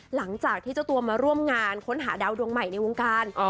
หลังจากที่เจ้าตัวมาร่วมงานค้นหาดาวดวงใหม่ในวงการ